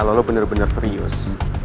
kalau lo bener bener serius